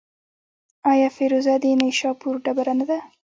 آیا فیروزه د نیشاپور ډبره نه ده؟